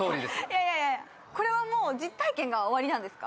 いやいやいや、これはもう実体験がおありなんですか？